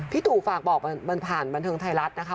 ตู่ฝากบอกผ่านบันเทิงไทยรัฐนะคะ